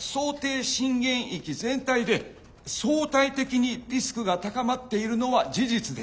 震源域全体で相対的にリスクが高まっているのは事実です。